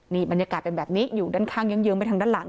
นี่บรรยากาศเป็นแบบนี้อยู่ด้านข้างเยิ้งไปทางด้านหลัง